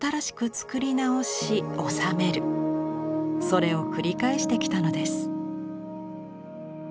それを繰り返してきたのです。